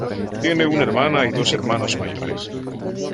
Tiene una hermana y dos hermanos mayores.